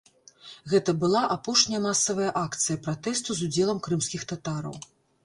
Гэта была апошняя масавая акцыя пратэсту з удзелам крымскіх татараў.